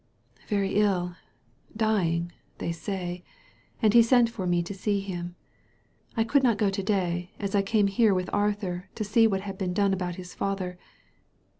" Very ill— dying, they say ; and he sent for me to see him. I could not go to day, as I came here with Arthur to see what had been done about his father.